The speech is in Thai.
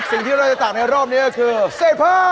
สิ่งที่เราจะตากในรอบนี้ก็คือใส่ผ้า